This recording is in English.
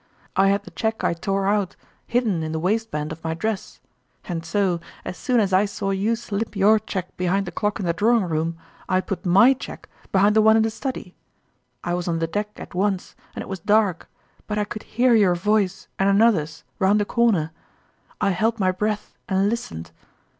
I had the cheque I tore out hidden in the waistband of my dress ; and so, as soon as I saw you slip your cheque behind the clock in the drawing room, I put my cheque behind the one in the study. I was on the deck at once, and it was dark, but I could hear your voice and another's round a corner. I held my breath and listened.